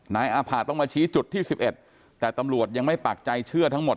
อาผ่าต้องมาชี้จุดที่๑๑แต่ตำรวจยังไม่ปากใจเชื่อทั้งหมด